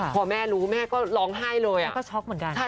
พอแม่รู้แม่ก็ร้องไห้เลยอะ